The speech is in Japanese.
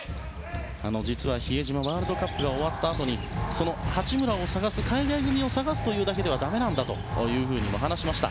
実は、比江島ワールドカップが終わったあとに海外組を探すというだけではダメなんだと話をしていました。